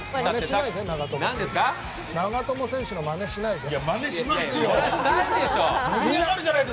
長友選手のまねしないで。